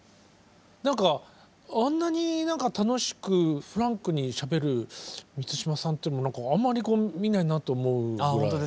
何かあんなに楽しくフランクにしゃべる満島さんっていうのもあんまりこう見ないなと思うぐらい。